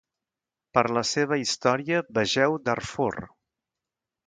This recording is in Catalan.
Per la seva història vegeu Darfur.